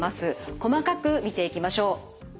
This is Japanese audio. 細かく見ていきましょう。